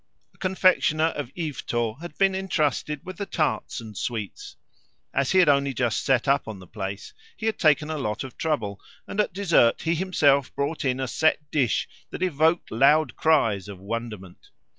A confectioner of Yvetot had been intrusted with the tarts and sweets. As he had only just set up on the place, he had taken a lot of trouble, and at dessert he himself brought in a set dish that evoked loud cries of wonderment.